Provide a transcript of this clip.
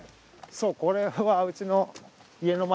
そうこれはうちの。